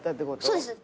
そうです。